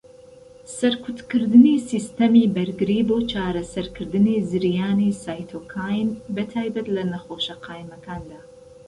سەرکوتکردنی سیستەمی بەرگری بۆ چارەسەرکردنی زریانی سایتۆکاین، بەتایبەت لە نەخۆشه قایمەکاندا.